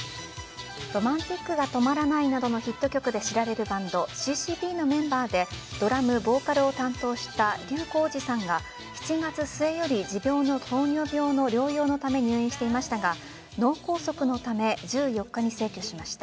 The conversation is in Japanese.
「Ｒｏｍａｎｔｉｃが止まらない」などのヒット曲で知られれるバンドＣ‐Ｃ‐Ｂのメンバーでドラム、ボーカルを担当した笠浩二さんが７月末より持病の糖尿病の療養のため入院していましたが脳梗塞のため１４日に逝去しました。